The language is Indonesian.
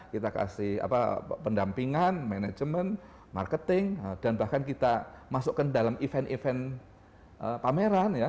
kita kasih pendampingan manajemen marketing dan bahkan kita masukkan dalam event event pameran ya